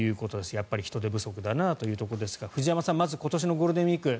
やっぱり人手不足だなというところですが藤山さんまず今年のゴールデンウィーク